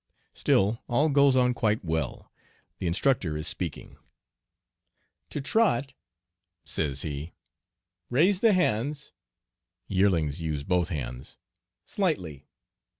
Still all goes on quite well. The Instructor is speaking: "To trot," says he, "raise the hands" ("yearlings" use both hands) "slightly.